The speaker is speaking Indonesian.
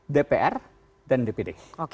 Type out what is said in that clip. dpr dan dpd